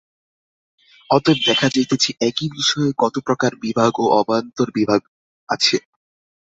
অতএব দেখা যাইতেছে, একই বিষয়ে কত প্রকার বিভাগ ও অবান্তর বিভাগ আছে।